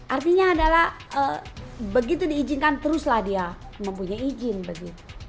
artinya adalah begitu diizinkan teruslah dia mempunyai izin begitu